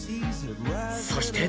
そして